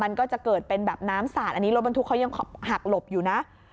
มันก็จะเกิดเป็นแบบน้ำสาดอันนี้รถบรรทุกเขายังหักหลบอยู่นะ